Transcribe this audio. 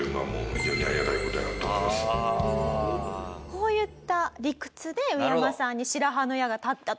こういった理屈でウエヤマさんに白羽の矢が立ったと。